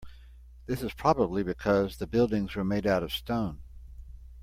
This is probably because the buildings were made out of stone.